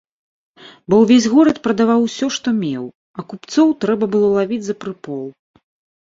Бо ўвесь горад прадаваў усё, што меў, а купцоў трэба было лавіць за прыпол.